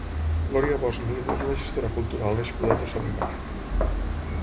Gloria Bosch Mir és una gestora cultural nascuda a Tossa de Mar.